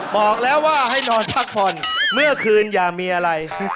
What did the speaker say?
บอกแล้วว่าให้นอนพักผ่อนเมื่อคืนอย่ามีอะไร